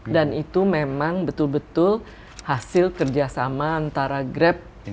dan itu memang betul betul hasil kerjasama antara grab